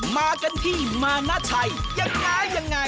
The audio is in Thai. มากันที่มานาชัยยังไง